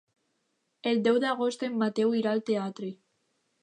El deu d'agost en Mateu irà al teatre.